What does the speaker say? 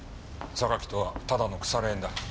榊とはただの腐れ縁だ。